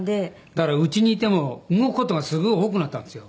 だからうちにいても動く事がすごい多くなったんですよ。